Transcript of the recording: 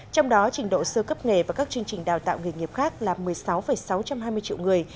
trong đó trình độ sơ cấp nghề và các chương trình đào tạo nghề nghiệp khác là một mươi sáu sáu trăm hai mươi triệu người